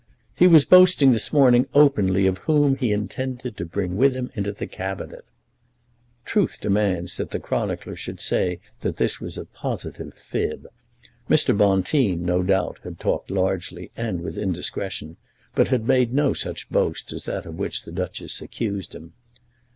"He was boasting this morning openly of whom he intended to bring with him into the Cabinet." Truth demands that the chronicler should say that this was a positive fib. Mr. Bonteen, no doubt, had talked largely and with indiscretion, but had made no such boast as that of which the Duchess accused him.